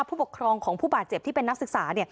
ผู้ปกครองของผู้บาดเจ็บที่เป็นนักศึกษา